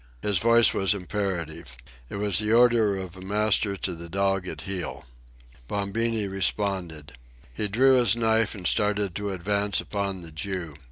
His voice was imperative. It was the order of a master to the dog at heel. Bombini responded. He drew his knife and started to advance upon the Jew.